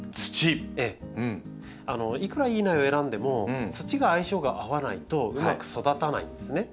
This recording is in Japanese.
いくらいい苗を選んでも土が相性が合わないとうまく育たないんですね。